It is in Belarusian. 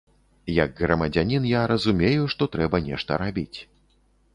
Як грамадзянін я разумею, што трэба нешта рабіць.